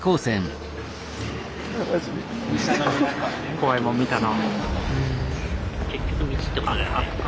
怖いもん見たな。